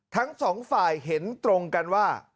ทั้งสองฝ่ายเห็นตรงกันว่า